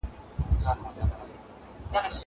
زه اجازه لرم چي وخت تېرووم!!